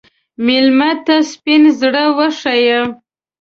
مېلمه ته سپین زړه وښیه.